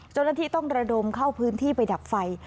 เจ้าหน้าที่ต้องระดมเข้าพื้นที่ไปดับไฟ